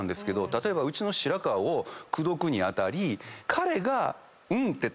例えばうちの白川を口説くに当たり彼が「うん」って。